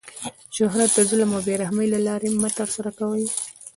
شهرت د ظلم او بې رحمۍ له لاري مه ترسره کوئ!